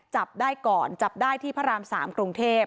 จับได้ก่อนจับได้ที่พระราม๓กรุงเทพ